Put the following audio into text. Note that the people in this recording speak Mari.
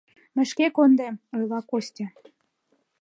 Мый шке кондем, — ойла Костя.